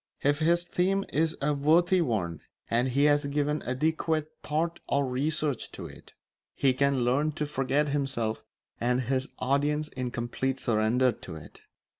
If his theme is a worthy one and he has given adequate thought or research to it, he can learn to forget himself and his audience in complete surrender to it.